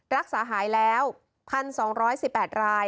รักษาหายแล้ว๑๒๑๘ราย